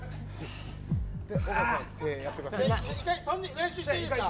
練習していいですか。